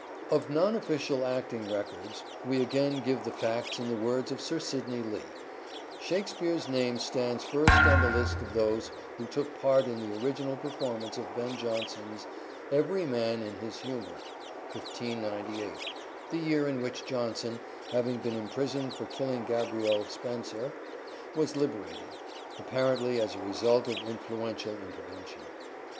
Shakspere Of non official acting records — we again give the plays * ^cts in the words of Sir Sidney Lee —" Shakespeare's name stands first on the list of those who took part in the original performance of Ben Jonson's ' Every Man in his Humour ' (1598 — the year in which Jonson, having been imprisoned for killing Gabriel Spenser, was liberated, apparently as a result of THE STRATFORDIAN VIEW 81 influential intervention).